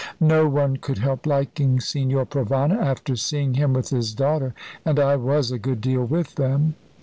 "No one could help liking Signor Provana after seeing him with his daughter and I was a good deal with them."